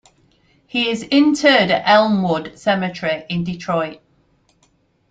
He is interred at Elmwood Cemetery, in Detroit.